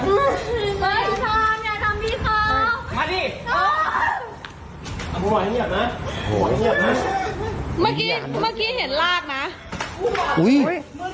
เมื่อกี้ค่อเห็นเมื่อกี้ลากผู้หญิง